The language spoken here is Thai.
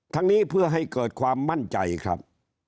นี้เพื่อให้เกิดความมั่นใจครับ